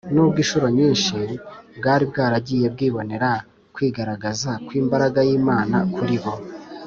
nubwo incuro nyinshi bwari bwaragiye bwibonera kwigaragaza kw’imbaraga y’imana kuri bo.